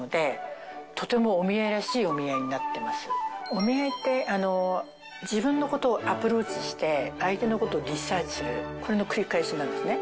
お見合いって自分のことをアプローチして相手のことをリサーチするこれの繰り返しなんですね。